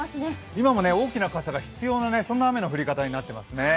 今も大きな傘が必要なくらい、そんな雨の降り方になっていますね。